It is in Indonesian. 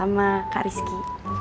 sama sama kak rizky